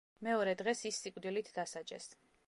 მეორე დღეს ის სიკვდილით დასაჯეს.